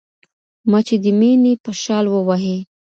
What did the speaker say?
ما چي د ميني په شال ووهي